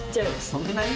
そんなに？